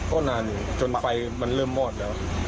ก็นานอยู่จนไฟมันเริ่มมอดแล้ว